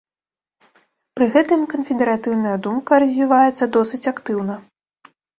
Пры гэтым канфедэратыўная думка развіваецца досыць актыўна.